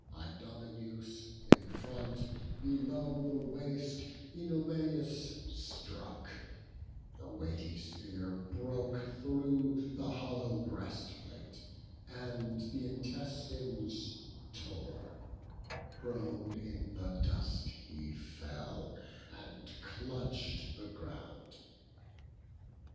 Idomeneus in front, below the waist, Œnomaus struck; the weighty spear broke through The hollow breastplate, and th' intestines tore; Prone in the dust he fell, and clutch'd the ground.